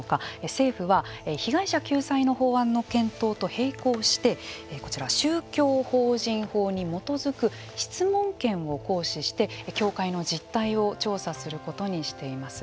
政府は被害者救済の法案の検討と並行してこちら、宗教法人法に基づく質問権を行使して教会の実態を調査することにしています。